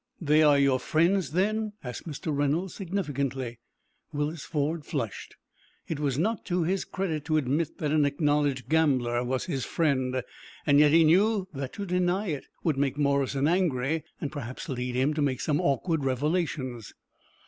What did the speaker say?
"They are your friends, then?" asked Mr. Reynolds, significantly. Willis Ford flushed. It was not to his credit to admit that an acknowledged gambler was his friend, yet he knew that to deny it would make Morrison angry, and perhaps lead him to make some awkward revelations.